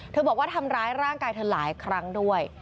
บอกว่าทำร้ายร่างกายเธอหลายครั้งด้วย